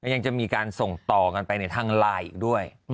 ยังจะมีการส่งต่อกันไปในทางไลน์อีกด้วย